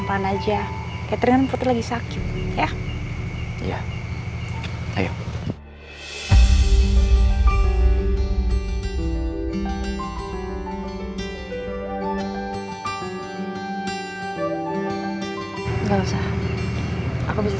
yeek ini kita kirim kirim sama diri seperti tujuan aja ya